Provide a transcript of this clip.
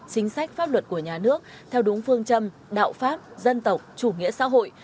chính sách pháp luật của nhà nước theo đúng phương châm đạo pháp dân tộc chủ nghĩa xã hội